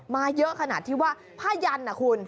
มาเยอะขนาดที่ว่าผ้ายันนะคุณ